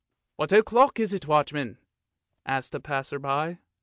" What o'clock is it, watchman? " asked a passer by.